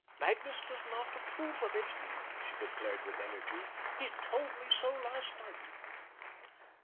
Magnus does not approve of it," she declared with energy. "He told me so last night."